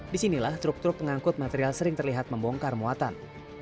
disinilah truk truk pengangkut material sering terlihat membongkar muatan